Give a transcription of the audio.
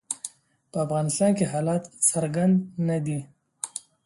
په افغانستان کې حالات څرګند نه دي.